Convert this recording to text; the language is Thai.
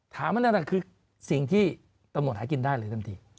ถามนั่นน่ะคือสิ่งที่ตำนวนหากินได้เลย